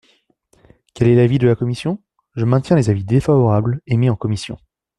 Quel est l’avis de la commission ? Je maintiens les avis défavorables émis en commission.